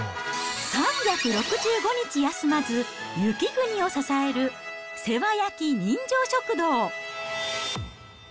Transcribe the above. ３６５日休まず、雪国を支える世話焼き人情食堂。